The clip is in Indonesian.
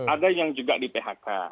ada yang juga di phk